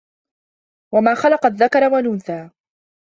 وَما خَلَقَ الذَّكَرَ وَالأُنثى